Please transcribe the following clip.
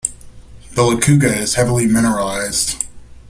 The Lukuga is heavily mineralized.